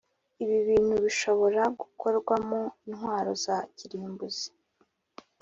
Ibibintu bishobora gukorwamo intwaro za kirimbuzi